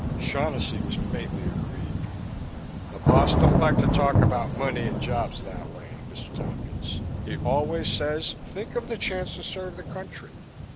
Shaughnessy was faintly aggrieved. "The Boss don't like to talk about money and jobs that way, Mr. Tompkins. He always says think of the chance to serve the country.